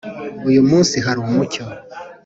uyu munsi hari umucyo